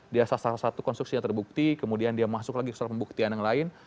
dia salah satu konstruksi yang terbukti kemudian dia masuk lagi ke salah pembuktian yang lain